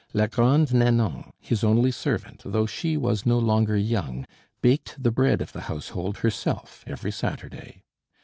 La Grande Nanon, his only servant, though she was no longer young, baked the bread of the household herself every Saturday.